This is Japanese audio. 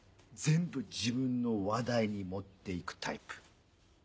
全部自分の話題に持って行くタイプ。